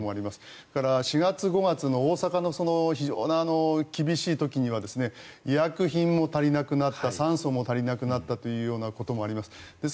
それから４月、５月の大阪の非常に厳しい時には医薬品も足りなくなった酸素も足りなくなったということがあります。